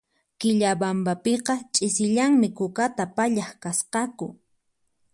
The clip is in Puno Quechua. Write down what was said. Quillabambapiqa ch'isillanmi kukata pallaq kasqaku